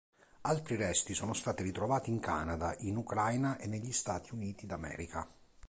Altri resti sono stati ritrovati in Canada, in Ucraina e negli Stati Uniti d'America.